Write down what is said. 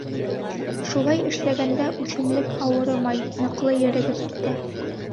Шулай эшләгәндә үҫемлек ауырымай, ныҡлы ерегеп китә.